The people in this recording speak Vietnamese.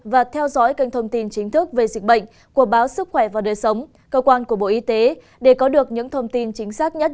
và theo dõi kênh thông tin chính thức về dịch bệnh của báo sức khỏe và đời sống cơ quan của bộ y tế để có được những thông tin chính xác nhất